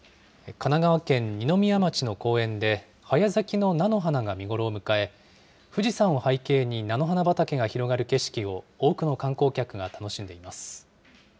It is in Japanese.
神奈川県二宮町の公園で、早咲きの菜の花が見頃を迎え、富士山を背景に菜の花畑が広がる景色を、多くの観光客が楽しんでいます。